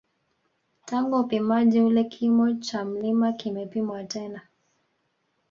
Tangu upimaji ule kimo cha mlima kimepimwa tena